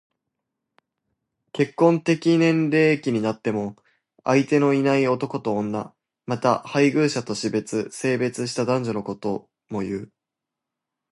結婚適齢期になっても相手のいない男と女。また、配偶者と死別、生別した男女のことも言う。